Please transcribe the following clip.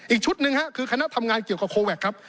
อีกชุดหนึ่งคือคณะทำงานเกี่ยวกับโคแวคครับ